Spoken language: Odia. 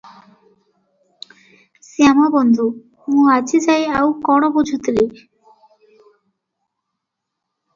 ଶ୍ୟାମବନ୍ଧୁ – ମୁଁ ଆଜି ଯାଏ ଆଉ କ’ଣ ବୁଝୁଥିଲି?